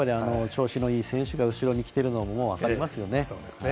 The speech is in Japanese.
調子のいい選手が後ろにきているのももう分かりますよね。